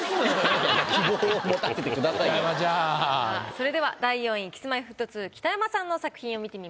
それでは第４位Ｋｉｓ−Ｍｙ−Ｆｔ２北山さんの作品を見てみましょう。